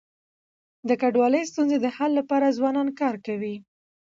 د کډوالی ستونزي د حل لپاره ځوانان کار کوي.